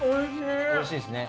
おいしいですね。